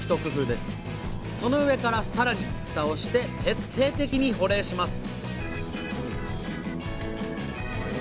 その上からさらにフタをして徹底的に保冷します